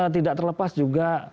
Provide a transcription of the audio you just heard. tidak terlepas juga